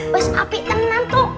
wess api tenang